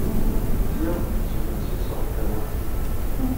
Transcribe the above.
Lliɣ ttgensiseɣ-d tamurt-inu.